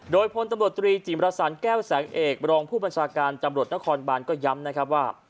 โดยพลตำรวจตรีจิมรสันแก้วแสงเอกรองผู้บัญชาการตำรวจนครบานก็ย้ำนะครับว่า